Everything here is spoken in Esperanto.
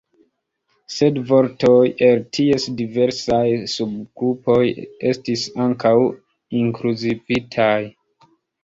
Sed vortoj el ties diversaj subgrupoj estis ankaŭ inkluzivitaj.